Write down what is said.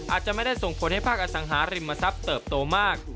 อาจจะไม่ได้ส่งผลให้ภาคอสังหาริมทรัพย์เติบโตมาก